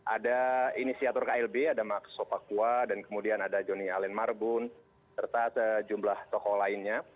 ada inisiator klb ada maxo pakua dan kemudian ada joni allen marbun serta sejumlah tokoh lainnya